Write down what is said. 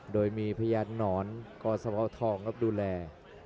โดยมีพญานอนคสวทองรับดูแล